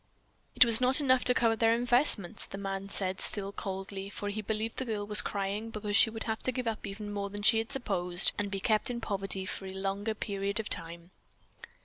"It was not enough to cover their investments," the man said, still coldly, for he believed the girl was crying because she would have to give up even more than she had supposed, and be kept in poverty for a longer period of time.